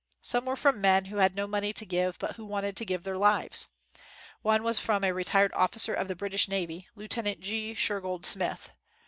Some were from men who had no money to give, but who wanted to give their lives. One was from a retired officer of the British navy, Lieutenant G. Shergold Smith.